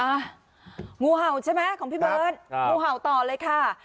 งูเห่าใช่ไหมของพี่เบิร์ตงูเห่าต่อเลยค่ะ